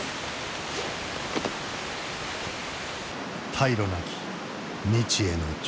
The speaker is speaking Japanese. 退路なき未知への挑戦。